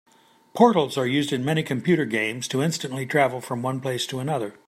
Portals are used in many computer games to instantly travel from one place to another.